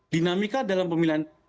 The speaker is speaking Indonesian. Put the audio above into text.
dinamika dalam pemilihan